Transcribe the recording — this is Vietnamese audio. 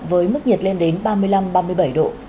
với mức nhiệt lên đến ba mươi năm ba mươi bảy độ